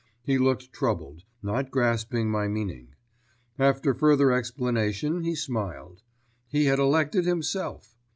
He looked troubled, not grasping my meaning. After further explanation he smiled. He had elected himself.